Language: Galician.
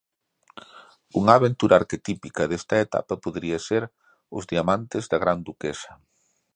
Unha aventura arquetípica desta etapa podería ser "Os diamantes da gran duquesa".